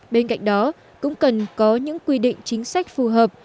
bên cạnh đó cũng cần có những quy định chính sách phù hợp